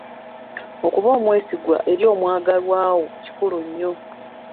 Okubeera omwesigwa eri omwagalwa wo kikulu nnyo.